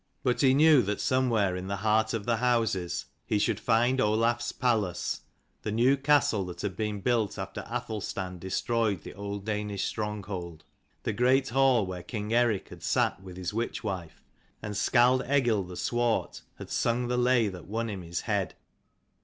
But he knew 245 that somewhere in the heart of the houses he should find Olaf s palace, the new castle that had been built after Athelstan destroyed the old Danish stronghold, the great hall where King Eric had sat with his witch wife, ' and skald Egil the swart had sung the lay that won him his head.